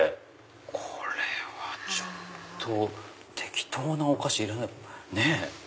これはちょっと適当なお菓子入れれない。